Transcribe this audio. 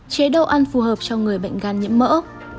chế độ ăn phù hợp cho người bệnh gan nhiễm mỡ